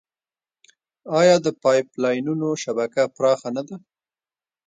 آیا د پایپ لاینونو شبکه پراخه نه ده؟